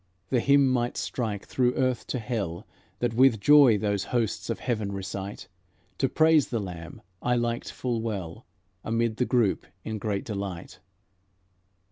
The hymn might strike through earth to hell That with joy those hosts of heaven recite; To praise the Lamb I liked full well, Amid the group in great delight.